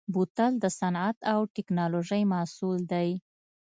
بوتل د صنعت او تکنالوژۍ محصول دی.